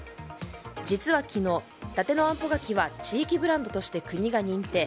実は昨日、伊達のあんぽ柿は地域ブランドとして国が認定。